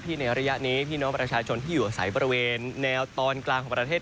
ในระยะนี้พี่น้องประชาชนที่อยู่อาศัยบริเวณแนวตอนกลางของประเทศ